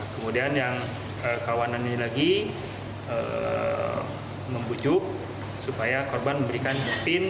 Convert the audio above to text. kemudian yang kawanan ini lagi membujuk supaya korban memberikan pin